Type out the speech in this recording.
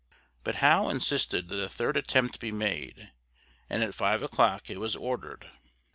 But Howe insisted that a third attempt be made, and at five o'clock it was ordered.